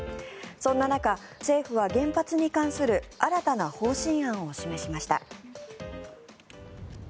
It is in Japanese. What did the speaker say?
そんな中、政府は原発に関する新たな方針案を示しました。